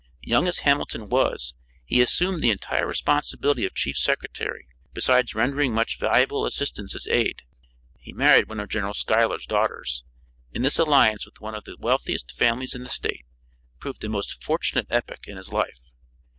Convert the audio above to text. Young as Hamilton was he assumed the entire responsibility of chief secretary, besides rendering much valuable assistance as aid. He married one of General Schuyler's daughters, and this alliance with one of the wealthiest families in the State proved a most fortunate epoch in his life.